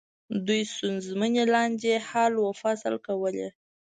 دوی ستونزمنې لانجې حل و فصل کولې.